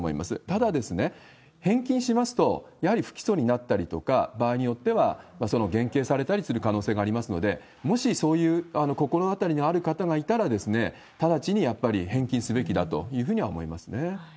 ただ、返金しますと、やはり不起訴になったりとか、場合によっては減刑されたりする可能性がありますので、もしそういう心当たりのある方がいたら、直ちにやっぱり返金すべきだというふうには思いますね。